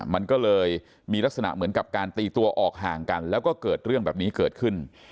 มันก็เลยมีลักษณะเหมือนกับการตีตัวออกห่างกันแล้วก็เกิดเรื่องแบบนี้เกิดขึ้น